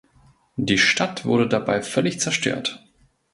Die Stadt wurde dabei völlig zerstört.